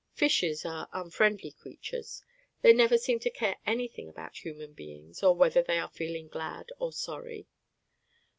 Fishes are unfriendly creatures; they never seem to care any thing about human beings, or whether they are feeling glad or sorry.